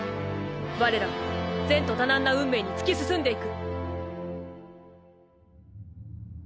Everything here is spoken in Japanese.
我らは前途多難な運命に突き進んでいく！